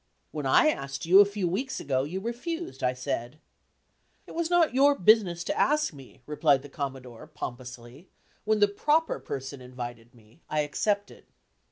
"When I asked you, a few weeks ago, you refused," I said. "It was not your business to ask me," replied the Commodore, pompously. "When the proper person invited me I accepted."